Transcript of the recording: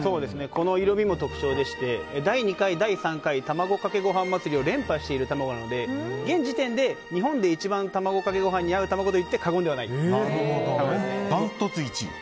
この色味も特徴でして第２回、第３回たまごかけごはん祭りを連覇している卵なので現時点で、日本で一番卵かけご飯に合う卵と言ってダントツ１位？